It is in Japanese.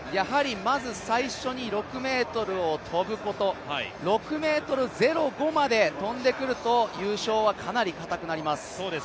まず最初に６ｍを跳ぶこと、６ｍ０５まで跳んでくると優勝はかなりかたくなります。